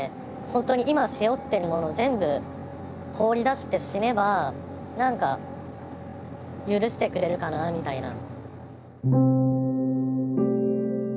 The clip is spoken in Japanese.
本当に今背負っているものを全部放り出して死ねば何か許してくれるかなみたいな。